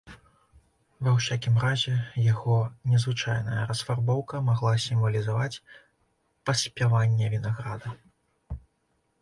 Ва ўсякім разе, яго незвычайная расфарбоўка магла сімвалізаваць паспяванне вінаграда.